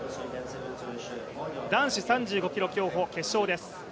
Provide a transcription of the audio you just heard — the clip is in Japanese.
男子３５ｋｍ競歩、決勝です。